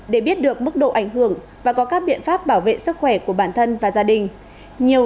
để biết được mức độ ảnh hưởng và có các biện pháp bảo vệ sức khỏe của bản thân và gia đình